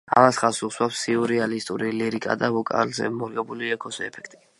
ამას ხაზს უსვამს სიურეალისტური ლირიკა და ვოკალზე მორგებული ექოს ეფექტი.